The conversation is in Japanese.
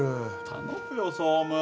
頼むよ総務。